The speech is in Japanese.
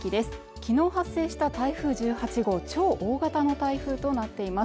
昨日発生した台風１８号超大型の台風となっています